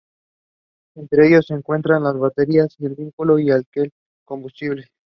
Entre ellos se encuentran las baterías del vehículo y el tanque de combustible.